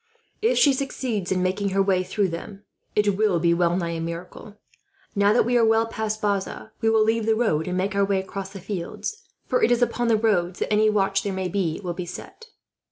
If she succeeds in making her way through them, it will be well nigh a miracle. "Now that we are well past Bazas, we will leave the road and make our way across the fields; for it is upon the roads that any watch there may be will be set."